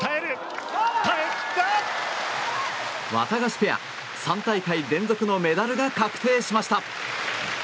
ワタガシペア、３大会連続のメダルが確定しました。